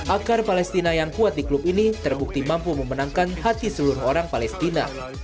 akar palestina yang kuat di klub ini terbukti mampu memenangkan hati seluruh orang palestina